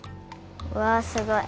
うわすごい。